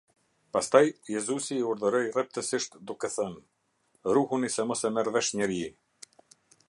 Pastaj Jezusi i urdhëroi rreptësisht duke thënë: "Ruhuni se mos e merr vesh njeri".